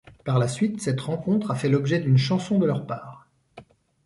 Par la suite, cette rencontre a fait l'objet d'une chanson de leur part.